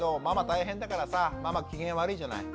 大変だからさママ機嫌悪いじゃない。